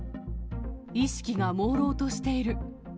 意識がもうろうとしている。